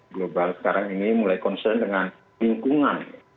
global sekarang ini mulai concern dengan lingkungan